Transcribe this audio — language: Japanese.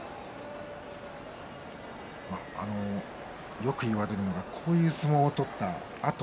よく言われるのはこういう相撲を取ったあと。